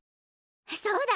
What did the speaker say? そうだ！